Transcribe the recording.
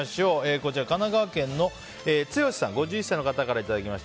神奈川県の５１歳の方からいただきました。